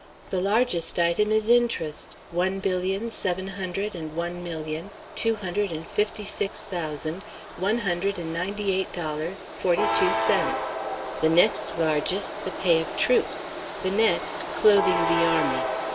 The largest item is interest; one billion, seven hundred and one million, two hundred and fifty six thousand, one hundred and ninety eight dollars, forty two cents. The next largest, the pay of troops; the next, clothing the army.